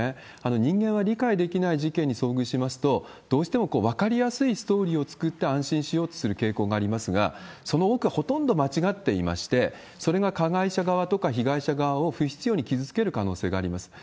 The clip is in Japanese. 人間は理解できない事件に遭遇しますと、どうしても分かりやすいストーリーを作って安心しようとする傾向がありますが、その多くはほとんど間違っていまして、それが加害者側とか、被害者側を不必要に傷つける可能性があります。